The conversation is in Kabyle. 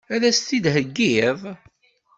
Ad as-t-id-theggiḍ?